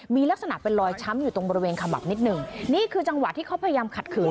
มีลักษณะเป็นรอยช้ำอยู่ตรงบริเวณขมับนิดหนึ่งนี่คือจังหวะที่เขาพยายามขัดขืน